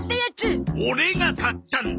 オレが買ったんだ！